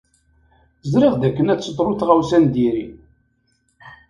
Ẓriɣ dakken ad teḍru tɣawsa n diri.